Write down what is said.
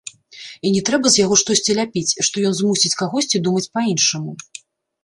І не трэба з яго штосьці ляпіць, што ён змусіць кагосьці думаць па-іншаму.